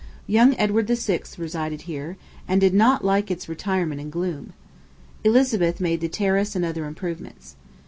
Young Edward VI. resided here, and did not like its retirement and gloom. Elizabeth made the terrace and other improvements.